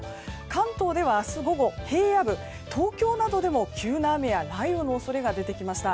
関東では明日午後平野部、東京などでも急な雨や雷雨の恐れが出てきました。